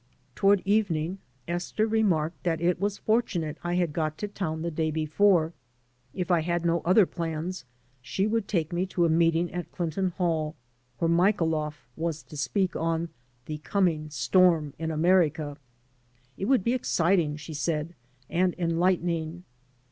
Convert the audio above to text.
Toward evening Esther remarked that it was fortunate I had got to town the day before. If I had no other plans, she would take me to a meeting at Clinton Hall where Michailoff was to speak on ^^The coming storm in America." It woidd be exciting, she said, and enlightening.